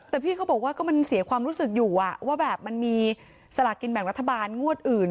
แต่พี่เขาบอกว่าก็มันเสียความรู้สึกอยู่ว่าแบบมันมีสลากินแบ่งรัฐบาลงวดอื่น